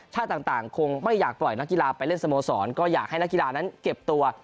ต่างคงไม่อยากปล่อยนักกีฬาไปเล่นสโมสรก็อยากให้นักกีฬานั้นเก็บตัว